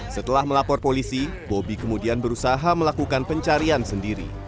setelah melapor polisi bobby kemudian berusaha melakukan pencarian sendiri